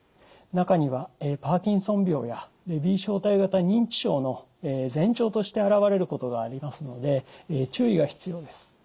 中にはパーキンソン病やレビー小体型認知症の前兆として現れることがありますので注意が必要です。